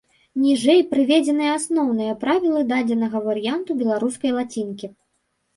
Ніжэй прыведзеныя асноўныя правілы дадзенага варыянту беларускай лацінкі.